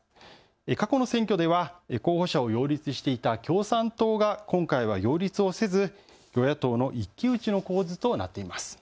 過去の選挙では候補者を擁立していた共産党が今回は擁立をせず与野党の一騎打ちの構図となっています。